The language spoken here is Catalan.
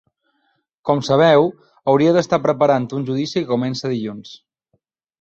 Com sabeu hauria d’estar preparant un judici que comença dilluns.